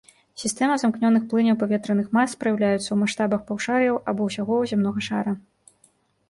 Сістэма замкнёных плыняў паветраных мас праяўляюцца ў маштабах паўшар'яў або ўсяго зямнога шара.